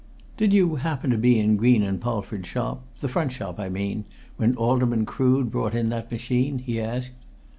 "Did you happen to be in Green & Polford's shop the front shop, I mean when Alderman Crood brought in that machine?" he asked.